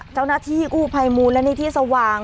เจ้านาที่คู่ไพรมูลและนิทีสว่าง